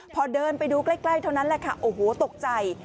พอเดินไปดูใกล้เท่านั้นแหละค่ะโอ้โหตกใจ